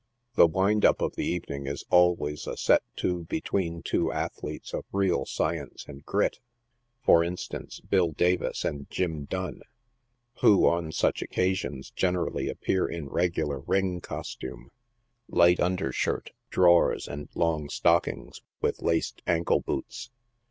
The wind up of the evening is always a set to between two ath letes of real science and ' k grit" — for instance, Bill Davis and Jim Dunn — who, on such occasions, generally appear in regular ring costume — light undershirt, drawers, and long stockings, with laced ankle boots.